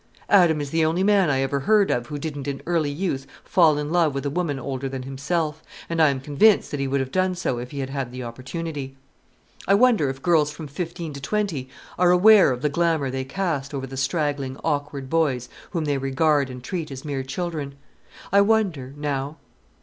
Adam is the only man I ever heard of who didn't in early youth fall in love with a woman older than himself, and I am convinced that he would have done so if he had had the opportunity. I wonder if girls from fifteen to twenty are aware of the glamour they cast over the straggling, awkward boys whom they regard and treat as mere children? I wonder, now.